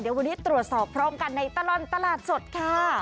เดี๋ยววันนี้ตรวจสอบพร้อมกันในตลอดตลาดสดค่ะ